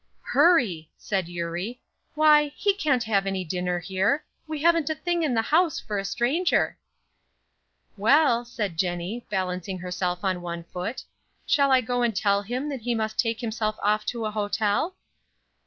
"Hurry!" said Eurie. "Why, he can't have any dinner here. We haven't a thing in the house for a stranger." "Well," said Jennie, balancing herself on one foot, "shall I go and tell him that he must take himself off to a hotel?"